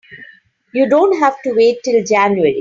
You don't have to wait till January.